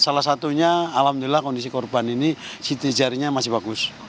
salah satunya alhamdulillah kondisi korban ini siti jarinya masih bagus